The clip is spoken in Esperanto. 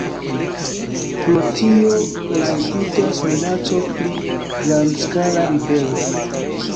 Pro tio prezentiĝas minaco pri grandskala ribelo.